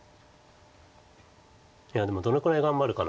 いやでもどのくらい頑張るかなんです。